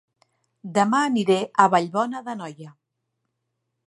Dema aniré a Vallbona d'Anoia